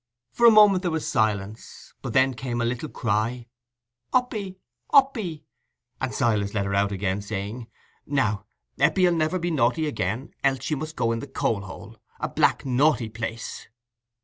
For a moment there was silence, but then came a little cry, "Opy, opy!" and Silas let her out again, saying, "Now Eppie 'ull never be naughty again, else she must go in the coal hole—a black naughty place."